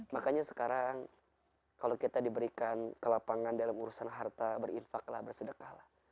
makanya sekarang kalau kita diberikan ke lapangan dalam urusan harta berinfaklah bersedekah lah